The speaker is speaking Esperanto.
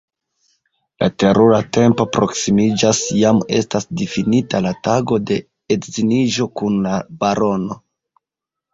La terura tempo proksimiĝas: jam estas difinita la tago de edziniĝo kun la barono.